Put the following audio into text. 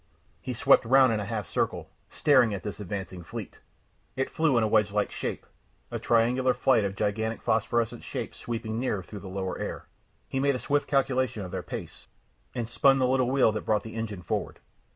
He swept round in a half circle, staring at this advancing fleet. It flew in a wedge like shape, a triangular flight of gigantic phosphorescent shapes sweeping nearer through the lower air. He made a swift calculation of their pace, and spun the little wheel that brought the engine forward.